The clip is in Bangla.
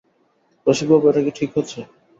রসিকবাবু, এটা কি ঠিক হচ্ছে?